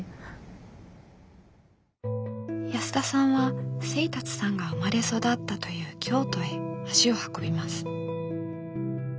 安田さんは清達さんが生まれ育ったという京都へ足を運びます。